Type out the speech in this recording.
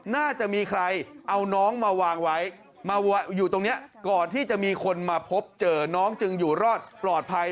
น่าจะมีใครเอาน้องมาวางไว้มาอยู่ตรงนี้ก่อนที่จะมีคนมาพบเจอน้องจึงอยู่รอดปลอดภัย